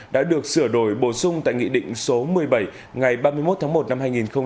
đã được sửa đổi bổ sung tại nghị định số một mươi bảy ngày ba mươi một tháng một năm hai nghìn một mươi chín